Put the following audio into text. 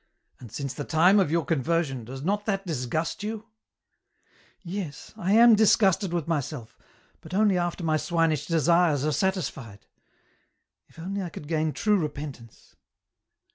And since the time of your conversion, does not that disgust you ?"*' Yes, I am disgusted with myself, but only after my swinish desires are satisfied. If only I could gain true repentance."